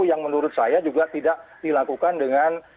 yang menurut saya juga tidak dilakukan dengan